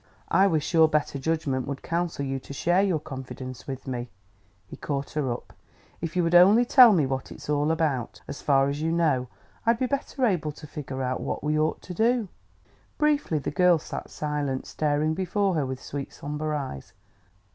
"I wish your better judgment would counsel you to share your confidence with me," he caught her up. "If you would only tell me what it's all about, as far as you know, I'd be better able to figure out what we ought to do." Briefly the girl sat silent, staring before her with sweet somber eyes.